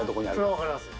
それは分かります。